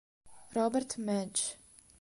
Robert Madge